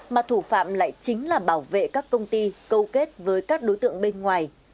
mà thủ phạm lại chính là bảo vệ các công ty câu kết với các đối tượng bên ngoài